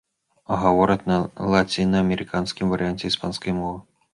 Гавораць на лацінаамерыканскім варыянце іспанскай мовы.